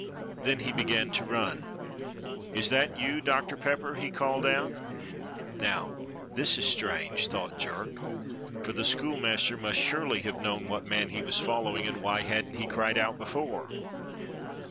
Then he began to run. "Is that you. Doctor Pepper.^" he called out. "Now this is strange," thought Jerk, "for the schoolmaster must surely have known what man he was following, and why hadn't he cried out before?"